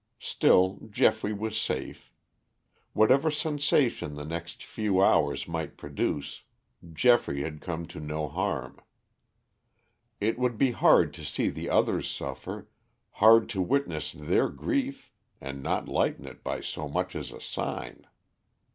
Still Geoffrey was safe. Whatever sensation the next few hours might produce Geoffrey had come to no harm. It would be hard to see the others suffer, hard to witness their grief and not lighten it by so much as a sign.